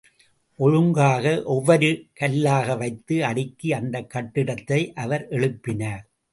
ஒழுங்காக ஒவ்வொரு கல்லாக வைத்து அடுக்கி அந்தக் கட்டிடத்தை அவர் எழுப்பினார்.